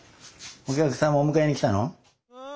お客様お迎えに来たの？